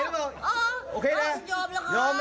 ไม่ตาย